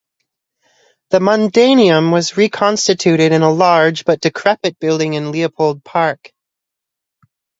The Mundaneum was reconstituted in a large but decrepit building in Leopold Park.